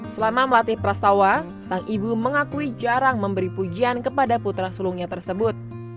selama melatih pras tawa sang ibu mengakui jarang memberi pujian kepada putra sulungnya tersebut